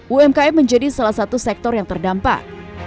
umkm menjadi salah satu sektor yang terdampak